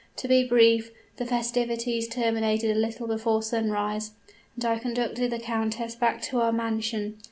To be brief, the festivities terminated a little before sunrise, and I conducted the countess back to our mansion.